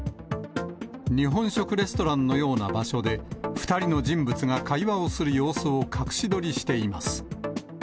日本食レストランのような場所で、２人の人物が会話をする様子を隠し撮りしています。